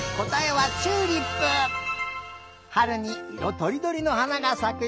はるにいろとりどりのはながさくよ。